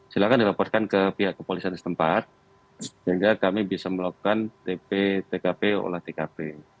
silahkan dilaporkan ke pihak kepolisian di setempat sehingga kami bisa melakukan tkp oleh tkp